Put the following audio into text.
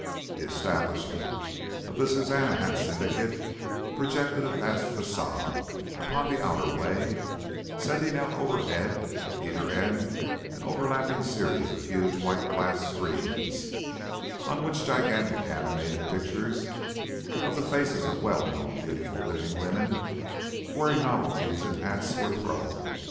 The establishment of the Suzannah Hat Syndicate projected a vast façade upon the outer way, sending out overhead at either end an overlapping series of huge white glass screens, on which gigantic animated pictures of the faces of well known beautiful living women wearing novelties in hats were thrown.